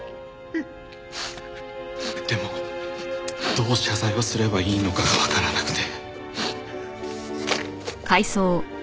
どう謝罪をすれば良いのかが分からなくて」